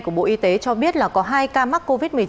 của bộ y tế cho biết là có hai ca mắc covid một mươi chín